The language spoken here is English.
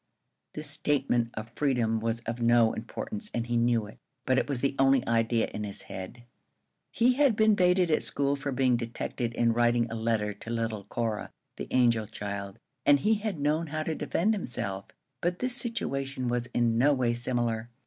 This statement of freedom was of no importance, and he knew it, but it was the only idea in his head. [Illustration: "'JIMMY TRESCOTT'S GOT HIS PICNIC IN A PAIL!'"] He had been baited at school for being detected in writing a letter to little Cora, the angel child, and he had known how to defend himself, but this situation was in no way similar.